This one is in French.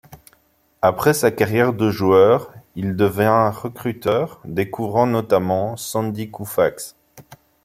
Après sa carrière de joueur, il devient recruteur, découvrant notamment Sandy Koufax.